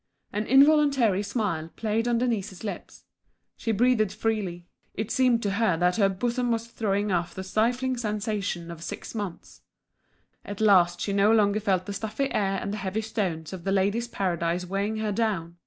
An involuntary smile played on Denise's lips; she breathed freely; it seemed to her that her bosom was throwing off the stifling sensation of six months. At last she no longer felt the stuffy air and the heavy stones of The Ladies' Paradise weighing her down!